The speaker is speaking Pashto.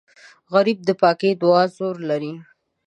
غریب د پاکې دعا زور لري